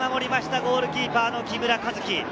ゴールキーパー・木村和輝。